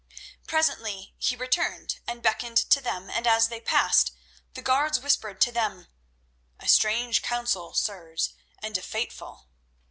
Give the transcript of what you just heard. Presently he returned and beckoned to them, and as they passed, the guards whispered to them: "A strange council, sirs, and a fateful!"